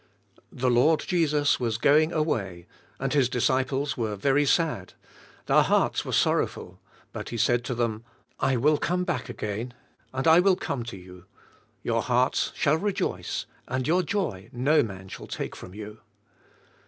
The Lord Jesus was go ing away, and His disciples were very sad; their hearts was sorrowful; but He said to them, "I will come back again, and I will come to you. Your hearts shall rejoice, and your joy no man shall take from you."